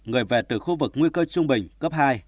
người về từ khu vực nguy cơ trung bình cấp hai